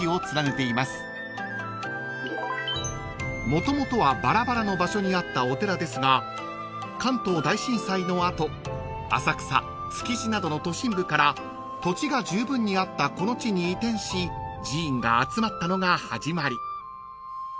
［もともとはバラバラの場所にあったお寺ですが関東大震災の後浅草築地などの都心部から土地がじゅうぶんにあったこの地に移転し寺院が集まったのが始まり］